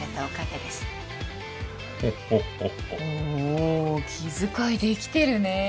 おぉ気遣いできてるね。